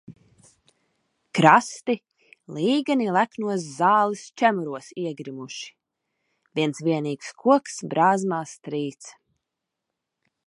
Krasti līgani leknos zāles čemuros iegrimuši, viens vienīgs koks brāzmās trīc.